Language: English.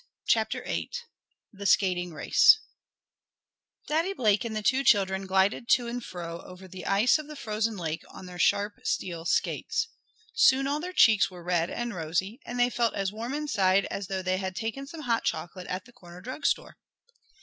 CHAPTER VIII THE SKATING RACE Daddy Blake and the two children glided to and fro over the ice of the frozen lake on their sharp steel skates. Soon all their cheeks were red and rosy, and they felt as warm inside as though they had taken some hot chocolate at the corner drug store.